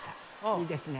いいですね。